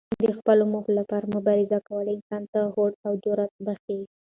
د خپلو موخو لپاره مبارزه کول انسان ته هوډ او جرات بښي.